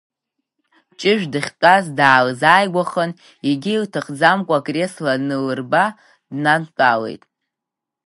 Ҷыжә дахьтәаз даалзааигәахан, егьи илҭахӡамкәа акресла аныллырба, днантәалеит.